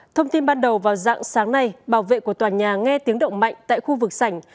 thông tin ban đầu vào dạng sáng nay bảo vệ của tòa nhà nghe tiếng động mạnh tại khu vực sảnh